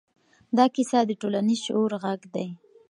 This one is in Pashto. دا کیسه د ټولنیز شعور غږ دی.